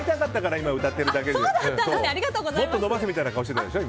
もっと伸ばせみたいな顔してたでしょ。